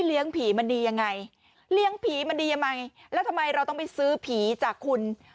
ผีมันดียังไงเลี้ยงผีมันดียังไงแล้วทำไมเราต้องไปซื้อผีจากคุณ